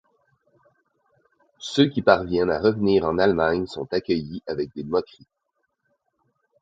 Ceux qui parviennent à revenir en Allemagne sont accueillis avec des moqueries.